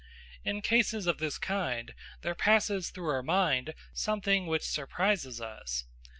In cases of this kind, there passes through our mind something which surprises us.